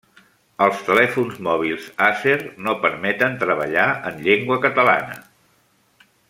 Els telèfons mòbils Acer no permeten treballar en llengua catalana.